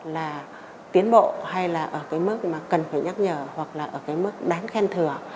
là tiến bộ hay là ở cái mức mà cần phải nhắc nhở hoặc là ở cái mức đáng khen thừa